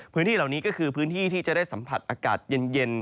พื้นที่เหล่านี้ก็คือพื้นที่ที่จะได้สัมผัสอากาศเย็น